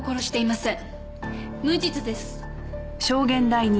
無実です。